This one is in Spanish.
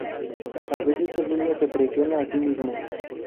A veces el niño se presiona a sí mismo.